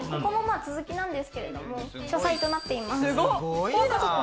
続きなんですけど、書斎となってます。